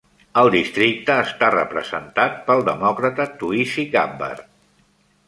El districte està representat pel demòcrata Tuisi Gabbard.